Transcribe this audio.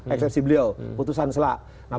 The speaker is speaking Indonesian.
eksensi beliau putusan selak nah